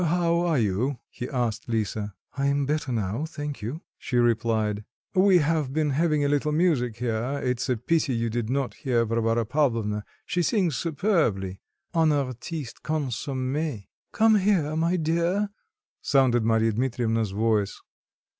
"How are you?" he asked Lisa. "I am better now, thank you," she replied. "We have been having a little music here; it's a pity you did not hear Varvara Pavlovna, she sings superbly, en artiste consommée." "Come here, my dear," sounded Marya Dmitrievna's voice.